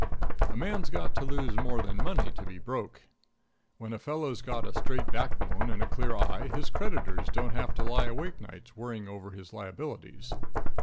A man's got to lose more than money to be broke. When a fellow's got a straight backbone and a clear eye his creditors don't have to lie awake nights worrying over his liabilities.